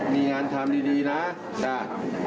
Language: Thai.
มีงานทำดีนะจ้ะ